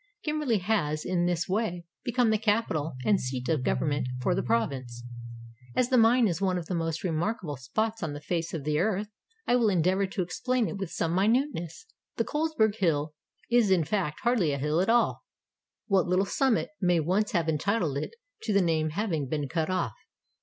Kim.berley has in this way become the capital and seat of Government for the Province. As the mine is one of the most remarkable spots on the face of the earth, I will endeavor to explain it with some minuteness. The Colesberg Hill is in fact hardly a hill at all, — what little summit may once have entitled it to the name having been cut off.